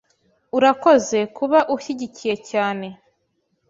Urakoze kuba ushyigikiye cyane.